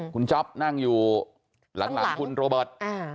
คุณจ๊อปนั่งอยู่หลังคุณโรเบิร์ต